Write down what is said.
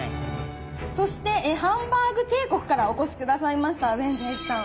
そしてハンバーグ帝国からお越し下さいましたウエンツ瑛士さん。